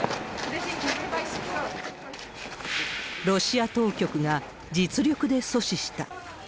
ロシア当局が実力で阻止した。